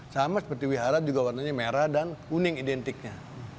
sama seperti wihara juga warnanya merah dan kuning identiknya